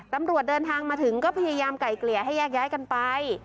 ตำรวจเดินทางมาถึงก็พยายามไก่เกลี่ยให้แยกย้ายกันไป